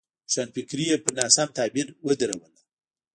روښانفکري یې پر ناسم تعبیر ودروله.